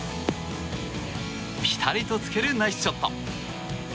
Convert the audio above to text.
ぴたりとつけるナイスショット。